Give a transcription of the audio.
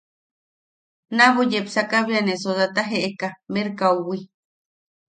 Naabo yepsaka bea ne sodata jeʼeka merkaowi.